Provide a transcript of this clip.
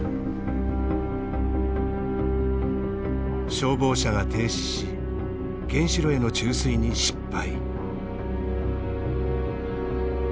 消防車が停止し原子炉への注水に失敗。